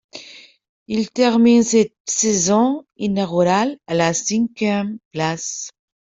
Il termine cette saison inaugurale à la cinquième place.